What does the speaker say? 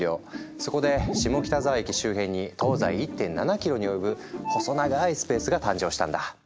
そこで下北沢駅周辺に東西１．７キロに及ぶ細長いスペースが誕生したんだ。